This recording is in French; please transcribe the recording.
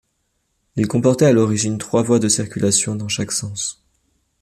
Il comportait à l'origine trois voies de circulation dans chaque sens.